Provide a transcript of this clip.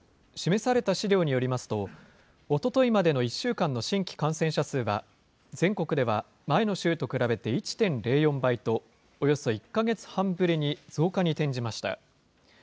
示された資料によりますと、おとといまでの１週間の新規感染者数は、全国では前の週と比べて１．０４倍と、およそ１か月半ぶりに増加に転じました。